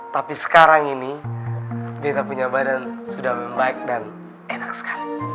tapi sekarang ini kita punya badan sudah membaik dan enak sekali